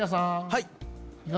はい。